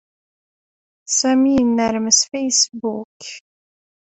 Sami yennermes Facebook.